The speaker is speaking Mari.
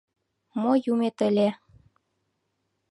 Мо юмет ыле.